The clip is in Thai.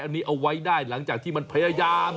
อันนี้เอาไว้ได้หลังจากที่มันพยายาม